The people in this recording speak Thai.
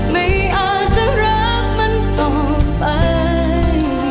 ไม่อาจจะรักมันต้องไป